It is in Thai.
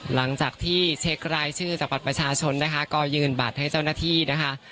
หลังจากที่เช็ครายชื่อจากบัตรประชาชนนะคะก็ยืนบัตรให้เจ้าหน้าที่นะคะ